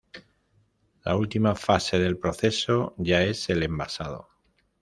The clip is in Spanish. La última fase del proceso ya es el envasado.